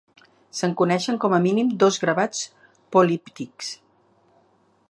Se'n coneixen com a mínim dos gravats políptics.